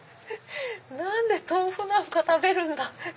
何で豆腐なんか食べるんだ？